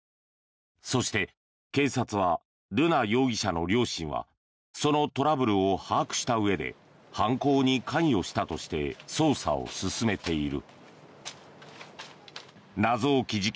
そして、警察は瑠奈容疑者の両親はそのトラブルを把握したうえで犯行に関与したとして捜査を進めている。